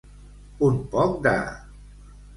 Un poc de.